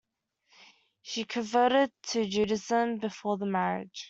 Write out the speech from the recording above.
She converted to Judaism before the marriage.